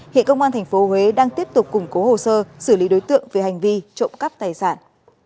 hiện công an tp huế đang tiếp tục củng cố hồ sơ xử lý đối tượng về hành vi trộm cắp tài sản